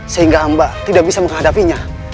sehingga mbak tidak bisa menghadapinya